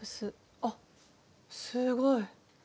あっすごい！